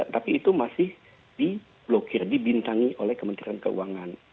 nah itu masih di blokir dibintangi oleh kementerian keuangan